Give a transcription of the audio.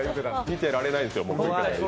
見てられないんですよ。